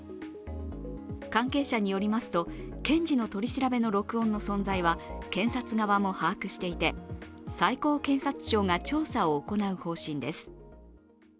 関係者によりますと、検事の取り調べの録音の存在は検察側も把握していて、最高検察庁が調査を行う方針です。